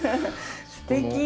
すてき。